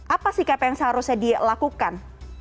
apa sikap yang seharusnya dilakukan